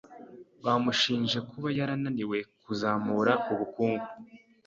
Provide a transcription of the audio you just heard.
Bamushinje kuba yarananiwe kuzamura ubukungu.